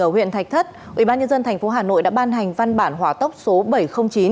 ở huyện thạch thất ủy ban nhân dân tp hà nội đã ban hành văn bản hỏa tốc số bảy trăm linh chín